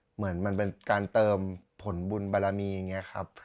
เหมือนมันเป็นการเติมผลบุญบารมีอย่างนี้ครับ